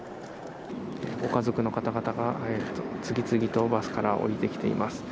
ご家族の方々が、次々とバスから降りてきています。